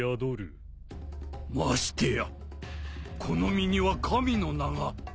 ましてやこの実には神の名が。